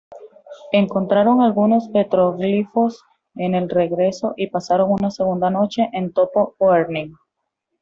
Encontraron algunos petroglifos en el regreso y pasaron una segunda noche en Topo Goering.